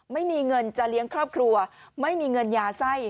ไม่มีเงินจะเลี้ยงครอบครัวไม่มีเงินยาไส้